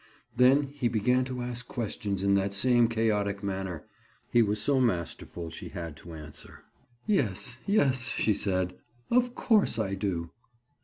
Then he began to ask questions in that same chaotic manner. He was so masterful she had to answer. "Yes, yes," she said, "of course, I do."